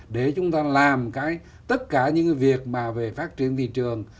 để chúng ta làm cái tất cả những việc mà về phát triển thị trường